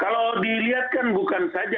kalau dilihat kan bukan saja